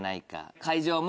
会場も。